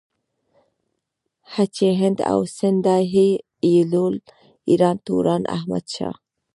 چې هند او سندھ ئې ايلول ايران توران احمد شاه